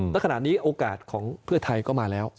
และขณะนี้โอกาสของเพื่อไทยก็มาแล้ว